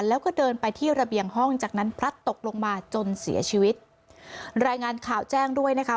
แล้วก็เดินไปที่ระเบียงห้องจากนั้นพลัดตกลงมาจนเสียชีวิตรายงานข่าวแจ้งด้วยนะคะ